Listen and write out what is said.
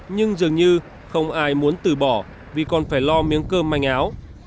nhưng dường như không ai muốn từ bỏ vì còn phải lo miếng cơm manh áo